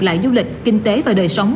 lại du lịch kinh tế và đời sống